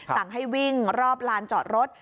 สั่งให้วิ่งรอบลานจอดรถ